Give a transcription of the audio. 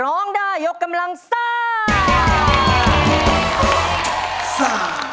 เพื่อบ้านเกิดในร้องได้หยกกำลังซ่า